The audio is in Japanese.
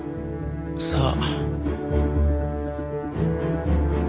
さあ。